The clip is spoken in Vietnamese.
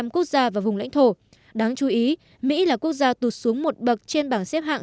một trăm năm mươi năm quốc gia và vùng lãnh thổ đáng chú ý mỹ là quốc gia tụt xuống một bậc trên bảng xếp hạng